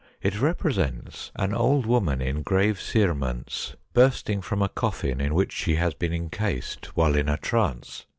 It represents an old woman in grave cerements bursting from a coffin, in which she has been encased while in a trance.